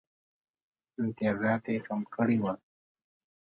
امتیازات یې کم کړي ول.